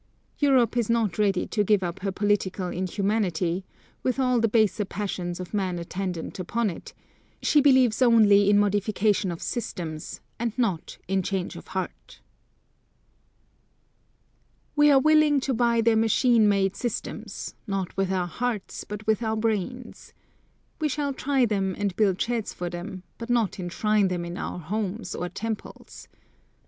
Europe is not ready to give up her political inhumanity, with all the baser passions of man attendant upon it; she believes only in modification of systems, and not in change of heart. We are willing to buy their machine made systems, not with our hearts, but with our brains. We shall try them and build sheds for them, but not enshrine them in our homes, or temples.